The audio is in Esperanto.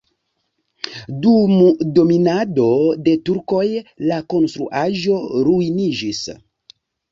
Dum dominado de turkoj la konstruaĵo ruiniĝis.